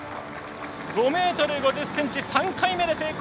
５ｍ５０ｃｍ、３回目で成功。